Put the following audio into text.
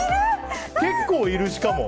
結構いる、しかも。